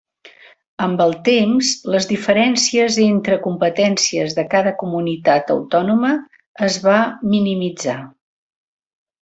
Amb el temps, les diferències entre competències de cada comunitat autònoma es va minimitzar.